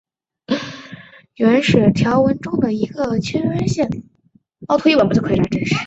这次选举的一个重要意义在于它暴露了美国宪法原始条文中的一个缺陷。